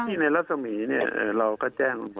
ของพี่ในลักษมีเราก็แจ้ง